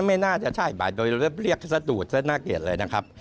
ไม่น่าจะใช่หรือเลือกแสดดูดแสดดน่าเกลียดเลยนะครับ